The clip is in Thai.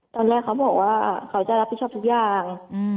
ตอนแรกเขาบอกว่าเขาจะรับผิดชอบทุกอย่าง